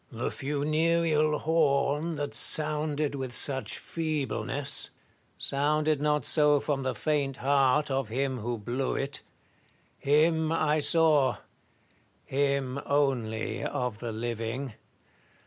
Tlie funereal horn, that sounded with such feebleness, sounded not so from the faint heart of him who blew it. Him I saw ; him only of the living.